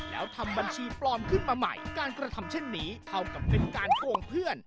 แล้วทำบัญชีปลอมขึ้นมาใหม่การกระทำเช่นนี้เท่ากับเป็นการโกงเพื่อน